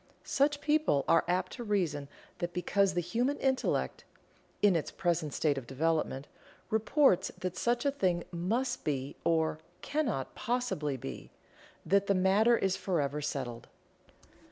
Such people are apt to reason that because the human intellect (in its present state of development) reports that such a thing must be, or cannot possibly be, that the matter is forever settled.